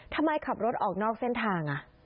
ทำไมขับรถออกนอกเส้นทางอ่ะ